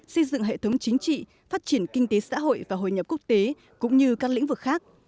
xây dựng hệ thống chính trị phát triển kinh tế xã hội và hồi nhập quốc tế cũng như các lĩnh vực khác